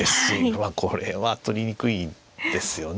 まあこれは取りにくいですよね。